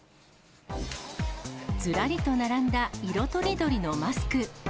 ずらりと並んだ色とりどりのマスク。